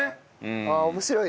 ああ面白いね。